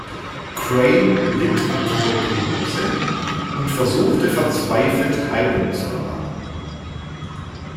Crane litt an Tuberkulose und versuchte verzweifelt, Heilung zu erlangen.